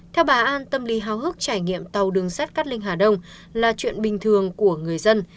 theo bà an tâm lý hào hức trải nghiệm tàu đường sát cát linh hà đông là chuyện bình thường của người dân